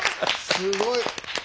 すごい。